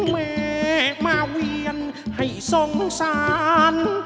แม่มาเวียนให้สงสาร